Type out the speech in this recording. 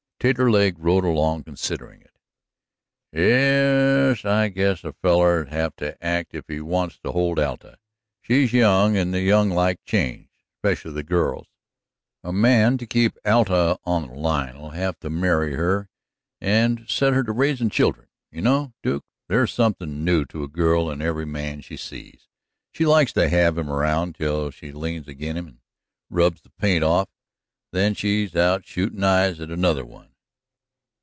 Taterleg rode along considering it. "Ye es, I guess a feller'll have to act if he wants to hold Alta. She's young, and the young like change. 'Specially the girls. A man to keep Alta on the line'll have to marry her and set her to raisin' children. You know, Duke, there's something new to a girl in every man she sees. She likes to have him around till she leans ag'in' him and rubs the paint off, then she's out shootin' eyes at another one."